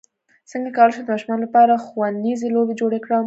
څنګه کولی شم د ماشومانو لپاره ښوونیزې لوبې جوړې کړم